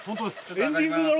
エンディングだろ